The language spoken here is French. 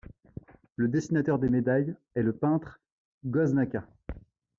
Le dessinateur des médailles est le peintre Goznaka.